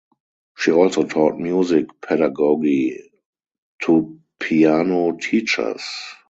She also taught music pedagogy to piano teachers.